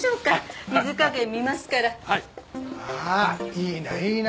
いいないいな。